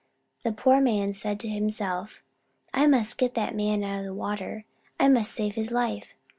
The poor man said to himself: "I must get that man out of the water. I must save his life."